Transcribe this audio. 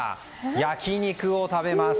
焼き肉を食べます。